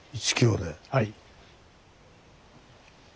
はい。